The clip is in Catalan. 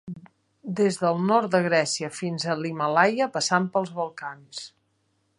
Des del nord de Grècia fins a l'Himàlaia, passant pels Balcans.